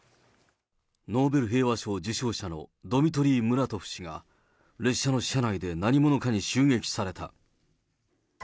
ノーベル平和賞受賞者のドミトリー・ムラトフ氏が、列車の車内で何者かに襲撃された。